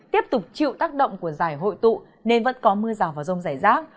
tiếp tục chịu tác động của giải hội tụ nên vẫn có mưa rào và rông rải rác